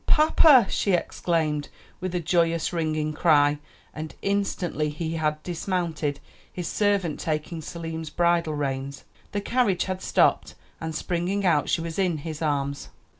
"Papa!" she exclaimed, with a joyous, ringing cry; and instantly he had dismounted, his servant taking Selim's bridle reins, the carriage had stopped, and springing out she was in his arms.